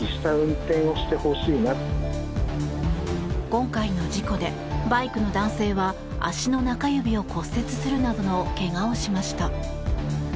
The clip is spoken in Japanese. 今回の事故でバイクの男性は足の中指を骨折するなどの怪我をしました。